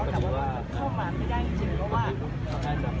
แต่ว่าเข้ามาไม่ได้จริงเพราะว่า